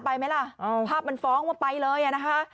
ไปไหมล่ะภาพมันฟ้องว่าไปเลยอ่ะนะคะ